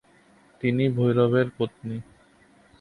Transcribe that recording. তিনি ভৈরবের পত্নী।